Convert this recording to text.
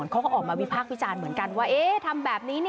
ก็เลือกแบบนั้น